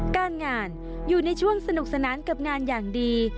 การงานอยู่ในช่วงสนุกสนานกับงานอย่างดี